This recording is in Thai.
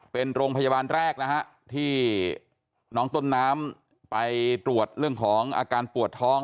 เป็นโรงพยาบาลแรกนะฮะที่น้องต้นน้ำไปตรวจเรื่องของอาการปวดท้อง